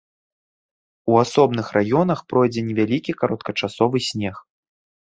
У асобных раёнах пройдзе невялікі кароткачасовы снег.